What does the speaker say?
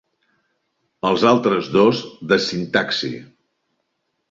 Els altres dos, de sintaxi.